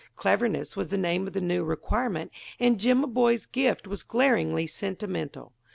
Cleverness was the name of the new requirement, and Jimaboy's gift was glaringly sentimental.